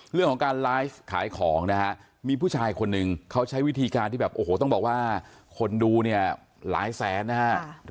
เรื่องของการไลฟ์ขายของนะฮะมีผู้ชายคนหนึ่งเขาใช้วิธีการที่แบบโอ้โหต้องบอกว่าคนดูเนี่ยหลายแสนนะฮะ